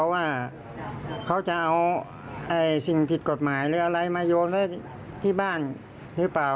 ว่าเขาจะเอาสิ่งผิดกฎหมายหรืออะไรมาโยนไว้ที่บ้านหรือเปล่า